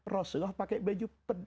rasulullah pakai baju pedang